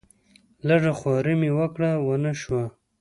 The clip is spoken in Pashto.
لږه خواري مې وکړه ونه شو.